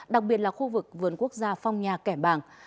đặc biệt là khu vực vườn quốc gia phong nha kẻ bàng